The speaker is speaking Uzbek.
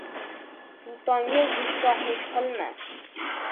— Sultonga gustohlik qilma.